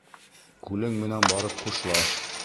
— Күлең менән барып хушлаш!